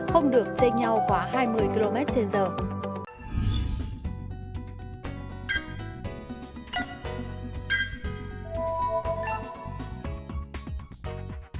không được chênh nhau quá hai mươi km trên giờ